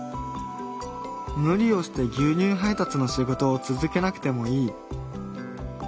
無理をして牛乳配達の仕事を続けなくてもいい。